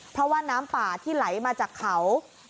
เพราะว่าน้ำป่าที่ไหลมาจากเขา